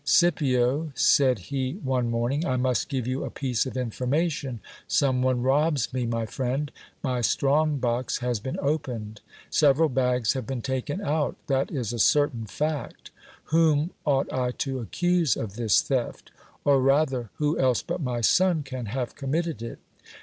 Scipio, said he one morn ing, I must give you a piece of information ; some one robs me, my friend ; my strong box has been opened ; several bags have been taken out, that is a certain fact Whom ought I to accuse of this theft ? or rather, who else but my son can have committed it